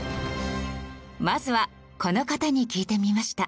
まずはこの方に聞いてみました。